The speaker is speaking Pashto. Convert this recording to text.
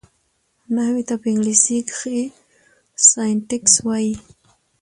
نحوي ته په انګلېسي کښي Syntax وایي.